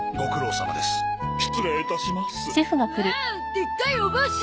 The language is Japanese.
でっかいお帽子！